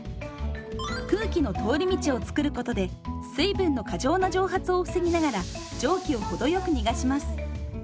空気の通り道を作ることで水分の過剰な蒸発を防ぎながら蒸気を程よく逃がします。